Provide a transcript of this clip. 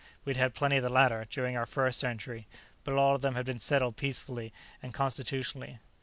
We'd had plenty of the latter, during our first century, but all of them had been settled peacefully and Constitutionally.